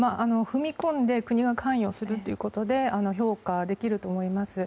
踏み込んで国が関与するっていうことで評価できると思います。